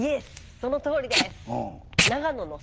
そのとおりです！